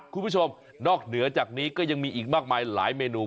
คุณผู้ชมนอกเหนือจากนี้ก็ยังมีอีกมากมายหลายเมนู